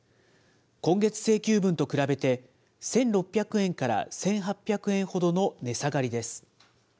今月請求分と比べて、１６００円から１８００円ほどの値下がりです。